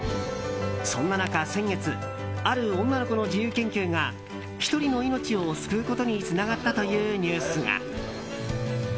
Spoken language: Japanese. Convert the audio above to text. そんな中、先月ある女の子の自由研究が１人の命を救うことにつながったというニュースが。